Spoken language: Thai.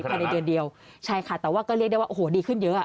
ไม่ถึงขนาดนั้นใช่ค่ะแต่ว่าก็เรียกได้ว่าโอ้โฮดีขึ้นเยอะ